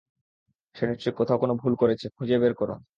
সে নিশ্চয়ই কোথাও কোনো ভুল করেছে, খুঁজে বের করো।